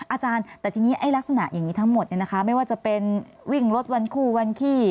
อาจารย์แต่ทีนี้ลักษณะอย่างนี้ทั้งหมดไม่ว่าจะเป็นวิ่งรถวันคู่วันขี้